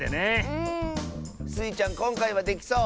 うん。スイちゃんこんかいはできそう？